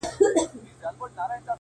ددې سايه به ـپر تا خوره سي ـ